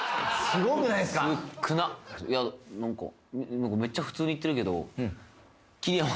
少なっいやなんかめっちゃ普通にいってるけどあ